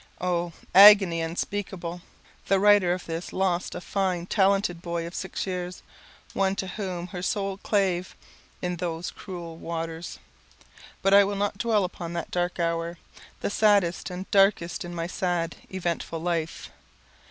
Oh, agony unspeakable! The writer of this lost a fine talented boy of six years one to whom her soul clave in those cruel waters. But I will not dwell upon that dark hour, the saddest and darkest in my sad eventful life.